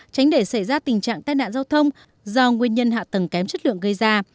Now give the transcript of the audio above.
tránh để xảy ra tình trạng tai nạn giao thông do nguyên nhân hạ tầng kém chất lượng gây ra